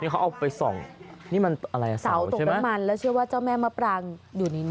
เขาเอาไปส่องนี่มันอะไรอ่ะเสาตกน้ำมันแล้วเชื่อว่าเจ้าแม่มะปรางอยู่ในนี้